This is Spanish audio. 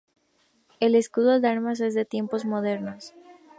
El escudo de armas es de tiempos modernos.